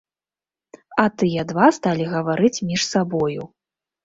А тыя два сталі гаварыць між сабою.